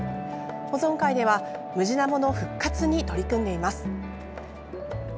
保存会ではムジナモの復活に取り組んでいます。